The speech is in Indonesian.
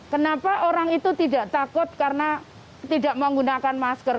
kenapa orang itu tidak takut karena tidak menggunakan masker